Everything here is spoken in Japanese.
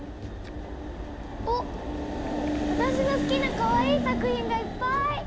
おっわたしの好きなかわいい作品がいっぱい！